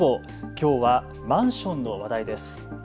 きょうはマンションの話題です。